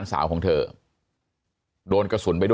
มีความรู้สึกว่า